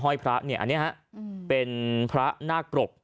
ห้อยพระเนี่ยอันนี้นะฮะ